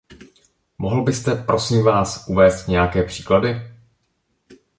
Mohl byste, prosím vás, uvést nějaké příklady?